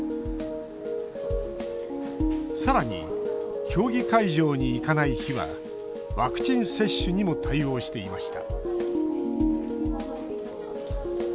さらに、競技会場に行かない日はワクチン接種にも対応していました